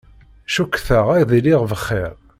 Cukkteɣ ad iliɣ bxir.